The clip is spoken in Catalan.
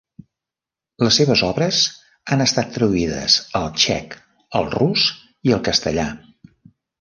Les seves obres han estat traduïdes al txec, el rus i el castellà.